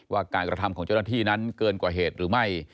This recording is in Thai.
ว่าการกระทำของเจ้าหน้าที่นั้นเกินกว่าเหตุหรือไม่